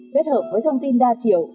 kết hợp với thông tin đa chiều